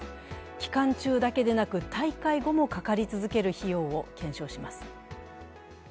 期間中だけでなく大会後もかかり続ける費用を検証します。